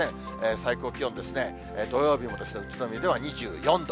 最高気温ですね、土曜日も宇都宮では２４度。